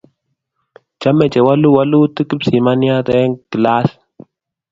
Chomei ko wolu wolutik kipsimaniat eng' kilasit